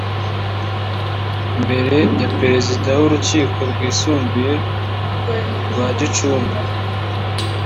Imbere ya Perezida w’Urukiko Rwisumbuye rwa Gicumbi